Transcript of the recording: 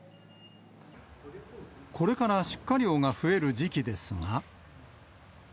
これから出荷量が増える時期ですが。